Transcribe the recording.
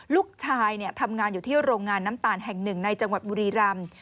ลูกชายทำงานอยู่ที่โรงงานน้ำตาลแห่งหนึ่งในจังหวัดบุรีรำ